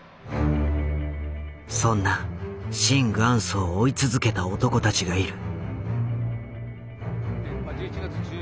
そんなシン・グァンスを追い続けた男たちがいる。